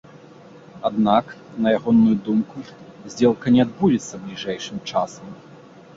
Аднак, на ягоную думку, здзелка не адбудзецца бліжэйшым часам.